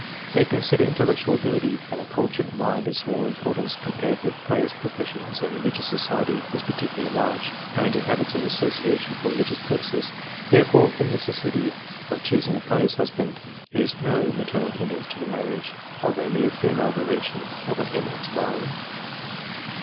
They consider intellectual ability and a cultured mind of small importance compared with pious professions, and as religious society is particularly large, owing to habits of association for religious purposes, the necessity of choosing a pious husband is no material hindrance to the marriage of a near female relation of an eminent divine.